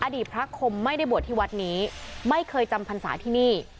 อดีตพระคมไม่ได้บวชที่วัดนี้ไม่เคยจำพรรษาที่นี่